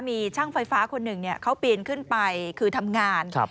มีช่างไฟฟ้าคนหนึ่งเขาปีนขึ้นไปคือทำงาน